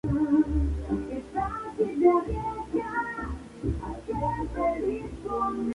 Cuándo su jefe interviene, Dong-soo asesina a Ah-young.